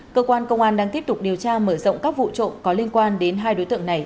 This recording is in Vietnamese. cơ quan công an đang tiếp tục điều tra mở rộng các vụ trộm có liên quan đến hai đối tượng này